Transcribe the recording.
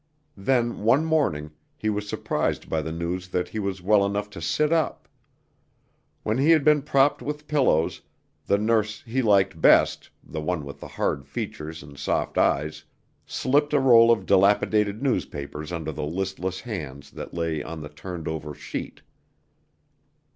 Then, one morning, he was surprised by the news that he was well enough to sit up. When he had been propped with pillows, the nurse he liked best the one with the hard features and soft eyes slipped a roll of dilapidated newspapers under the listless hands that lay on the turned over sheet.